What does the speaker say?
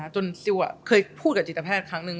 ซิลเคยพูดกับจิตแพทย์ครั้งนึง